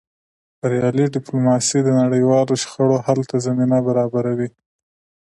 بریالۍ ډیپلوماسي د نړیوالو شخړو حل ته زمینه برابروي.